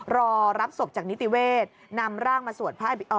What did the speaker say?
รอรับศพจากนิติเวชนำร่างมาสวดภาพ